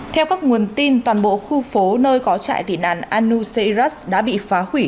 theo các nguồn tin toàn bộ khu phố nơi có trại tỉ nạn anu seirat đã bị phá hủy